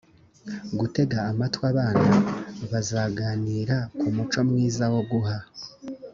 gutega amatwi abana bazaganira ku muco mwiza wo guha